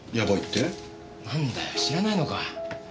なんだよ知らないのか。